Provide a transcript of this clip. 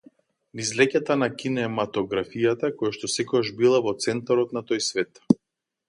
Низ леќата на кинематографијата, којашто секогаш била во центарот на тој свет.